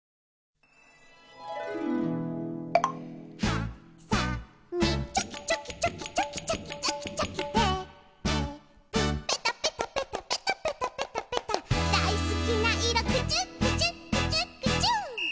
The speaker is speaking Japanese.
「はさみチョキチョキチョキチョキチョキチョキチョキ」「テープペタペタペタペタペタペタペタ」「だいすきないろクチュクチュクチュクチュ」